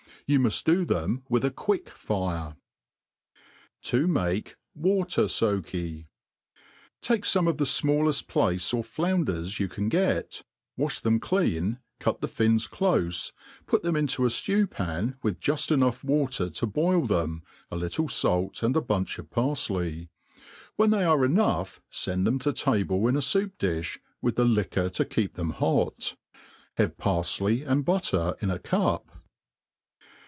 Y(m muft do them with a quick fire. \' i' To maki ff^ater^Sotif. '? TAKE fome of the fmalleft plaice or flounders yoij can get,, wafb them clean, cut the fins clofe, put them into a ftew pan, with juft water enough to boil thtm^ a little ialt, and a bunch of parfley ; when they are enough fend them to table in a foup difl), with the licjuor to keep theaa hot* Have parfiey and butter in a cup.